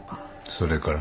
それから？